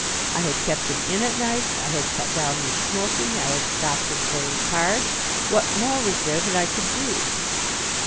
I had kept him in at nights. I had cut down his smoking. I had stopped his playing cards. What more was there that I could do?